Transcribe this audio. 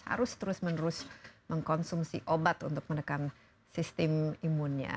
harus terus menerus mengkonsumsi obat untuk menekan sistem imunnya